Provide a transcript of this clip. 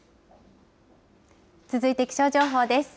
続いて気象情報です。